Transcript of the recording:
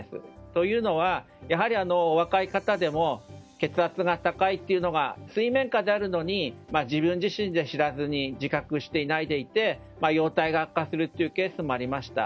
というのは、やはりお若い方でも血圧が高いというのが水面下であるのに自分自身で知らずに自覚していないでいて容体が悪化するというケースもありました。